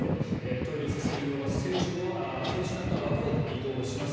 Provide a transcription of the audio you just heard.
トイレ付き専用バス選手団とは分かれて移動します。